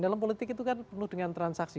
dalam politik itu kan penuh dengan transaksi